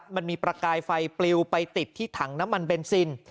มันมีประกายไฟปลิวไปติดที่ถังน้ำมันเบนซิน